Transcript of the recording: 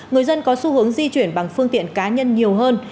người dân có xu hướng di chuyển bằng phương tiện cá nhân nhiều hơn